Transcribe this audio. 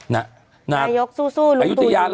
ณยกสู้สู้ณตูอยู่ยาว